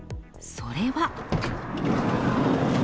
それは。